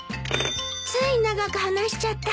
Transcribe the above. つい長く話しちゃった。